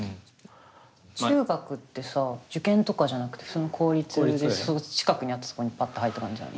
中学ってさ受験とかじゃなくて普通の公立で近くにあってそこにパッて入った感じなの？